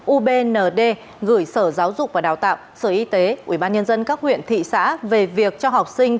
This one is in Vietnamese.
ubnd gửi sở giáo dục và đào tạo sở y tế ubnd các huyện thị xã về việc cho học sinh